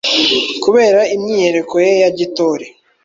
Kubera imyiyereko ye ya gitore,